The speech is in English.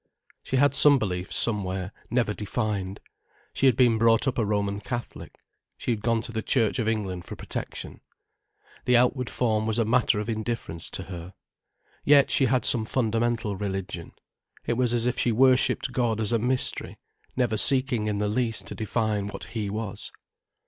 She had some beliefs somewhere, never defined. She had been brought up a Roman Catholic. She had gone to the Church of England for protection. The outward form was a matter of indifference to her. Yet she had some fundamental religion. It was as if she worshipped God as a mystery, never seeking in the least to define what He was.